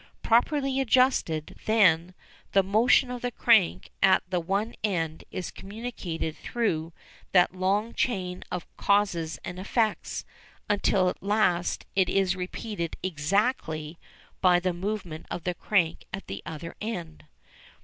Properly adjusted, then, the motion of the crank at the one end is communicated through that long chain of causes and effects, until at last it is repeated exactly by the movement of the crank at the other end.